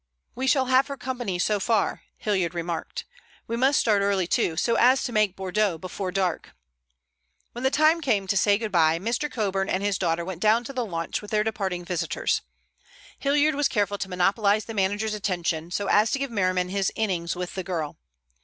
"We shall have her company so far," Hilliard remarked. "We must start early, too, so as to make Bordeaux before dark." When the time came to say good bye, Mr. Coburn and his daughter went down to the launch with their departing visitors. Hilliard was careful to monopolize the manager's attention, so as to give Merriman his innings with the girl.